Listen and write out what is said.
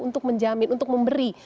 untuk menjamin untuk memberi